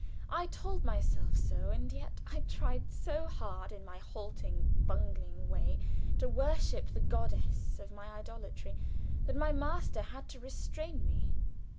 I told myself so, and yet I tried so hard in my halting, bungling way to worship the goddess of my idolatry, that my master had to restrain me.